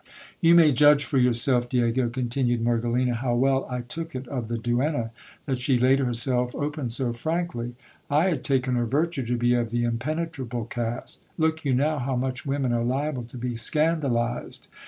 You may judge for yourself, Diego, continued Mergelina, how well I took it of the duenna, that she laid herself open so frankly. I had taken her virtue to be of the impenetrable cast. Look you now, how much women are liable to be scandalized.